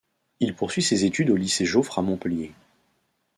Il poursuit ses études au Lycée Joffre à Montpellier.